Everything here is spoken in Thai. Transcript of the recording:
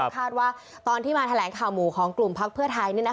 คาดว่าตอนที่มาแถลงข่าวหมู่ของกลุ่มพักเพื่อไทย